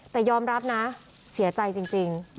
แต่ยอมรับนะเสียใจจริง